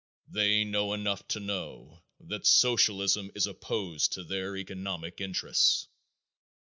They know enough to know that Socialism is opposed to their economic interests.